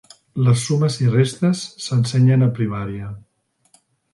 Les sumes i restes s'ensenyen a primària.